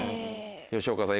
吉岡さん